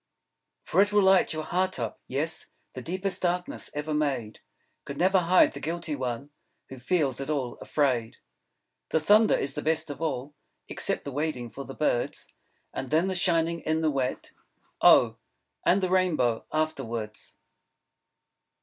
_ _For it will light your Heart up. Yes; The Deepest Darkness ever Made Could Never Hide the Guilty One ... Who feels At All Afraid._ The thunder is the best of all, Except the wading for the Birds; And then, the Shining in the wet; Oh, and the Rainbow, afterwards!